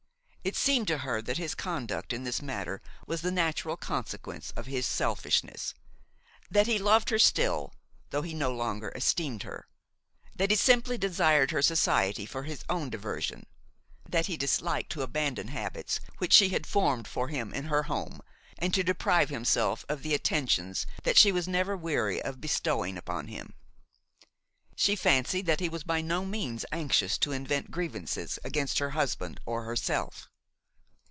It seemed to her that his conduct in this matter was the natural consequence of his selfishness; that he loved her still, although he no longer esteemed her; that he simply desired her society for his own diversion, that he disliked to abandon habits which she had formed for him in her home and to deprive himself of the attentions that she was never weary of bestowing upon him. She fancied that he was by no means anxious to invent grievances against her husband or herself.